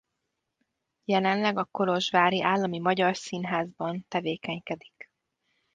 Jelenleg a Kolozsvári Állami Magyar Színházban tevékenykedik.